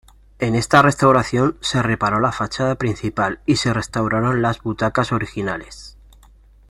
En esta restauración se reparó la fachada principal y se restauraron las butacas originales.